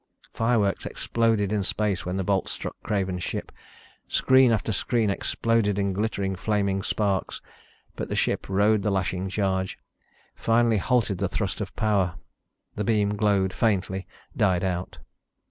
Fireworks exploded in space when the bolt struck Craven's ship. Screen after screen exploded in glittering, flaming sparks, but the ship rode the lashing charge, finally halted the thrust of power. The beam glowed faintly, died out.